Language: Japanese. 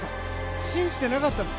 信じてなかったんです。